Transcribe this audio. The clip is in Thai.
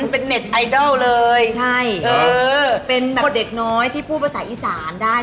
เป็นเน็ตไอดอลเลยใช่เออเป็นแบบเด็กน้อยที่พูดภาษาอีสานได้